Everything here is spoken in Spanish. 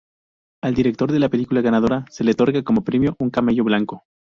Al director de la película ganadora se le otorga como premio un camello blanco.